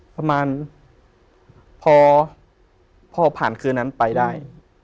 ประมาณพอผ่านคืนนั้นไปได้